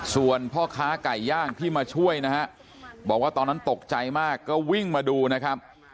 ส่วนพ่อค้าไก่ย่างที่มาช่วยนะฮะบอกว่าตอนนั้นตกใจมากก็วิ่งมาดูนะครับ